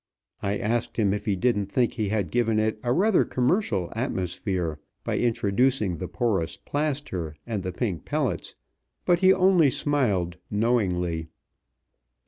I asked him if he didn't think he had given it a rather commercial atmosphere by introducing the Porous Plaster and the Pink Pellets, but he only smiled knowingly.